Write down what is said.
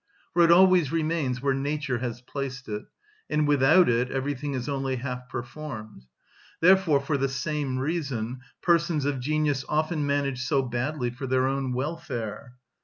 For it always remains where nature has placed it; and without it everything is only half performed. Therefore, for the same reason, persons of genius often manage so badly for their own welfare.